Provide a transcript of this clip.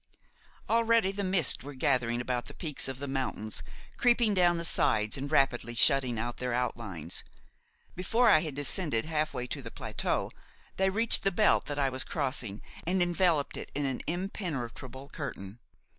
Already the mists were gathering about the peaks of the mountains, creeping down the sides and rapidly shutting out their outlines. Before I had descended half way to the plateau, they reached the belt that I was crossing and enveloped it in an impenetrable curtain.